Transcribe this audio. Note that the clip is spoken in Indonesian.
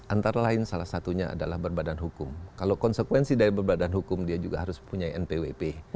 antara lain salah satunya adalah berbadan hukum kalau konsekuensi dari berbadan hukum dia juga harus punya npwp